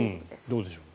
どうでしょう。